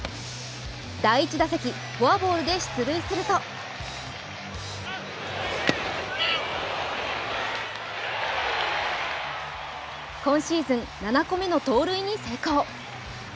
第１打席、フォアボールで出塁すると今シーズン７個目の盗塁に成功。